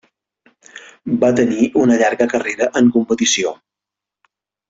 Va tenir una llarga carrera en competició.